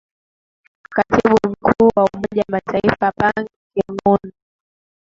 katibu mkuu wa umoja mataifa bang kimoon